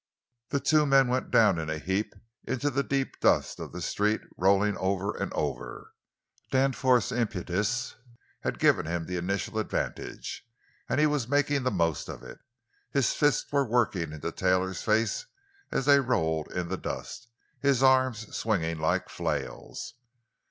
The two men went down in a heap into the deep dust of the street, rolling over and over. Danforth's impetus had given him the initial advantage, and he was making the most of it. His fists were working into Taylor's face as they rolled in the dust, his arms swinging like flails.